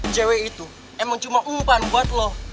jw itu emang cuma umpan buat lo